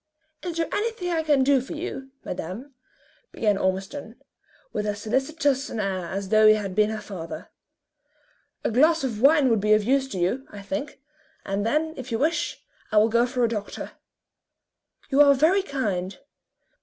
"Is there anything I can do for you, madame?" began Ormiston, with as solicitous an air as though he had been her father. "A glass of wine would be of use to you, I think, and then, if you wish, I will go for a doctor." "You are very kind.